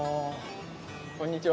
こんにちは。